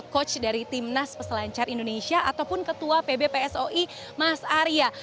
coach dari tim nas peselancar indonesia ataupun ketua pbpsoi mas arya